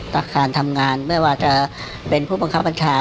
ประธานทำงานไม่ว่าจะเป็นผู้บังคับบัญชา